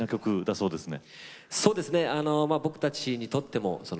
そうですね